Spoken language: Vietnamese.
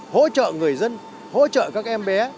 hỗ trợ người dân hỗ trợ các em bé